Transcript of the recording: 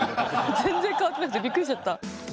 全然変わってなくてびっくりしちゃった。